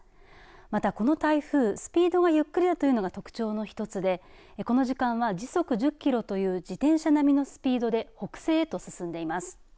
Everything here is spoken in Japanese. また、この台風スピードがゆっくりだというのが特徴の一つでこの時間は時速１０キロという自転車並みのスピードで北西へと進んでいます。